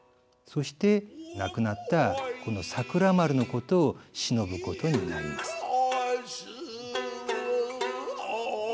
そして亡くなったこの桜丸のことを偲ぶことになります。